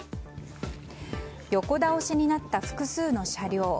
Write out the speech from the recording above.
横倒しになった複数の車両。